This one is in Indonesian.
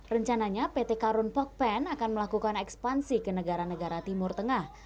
rencananya pt karun pokpen akan melakukan ekspansi ke negara negara timur tengah